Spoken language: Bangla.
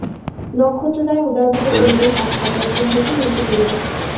নক্ষত্ররায় উদারভাবে কহিলেন, আচ্ছা, জয়সিংহকে মন্ত্রী করিব।